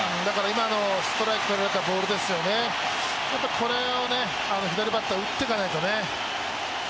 今、ストライクが取られたボールですよね、これを左バッター、打っていかないとね。